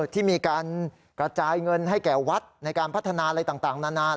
ที่มีการกระจายเงินให้แก่วัดในการพัฒนาอะไรต่างนาน